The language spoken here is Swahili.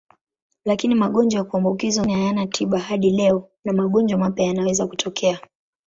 Lakini magonjwa ya kuambukizwa mengine hayana tiba hadi leo na magonjwa mapya yanaweza kutokea.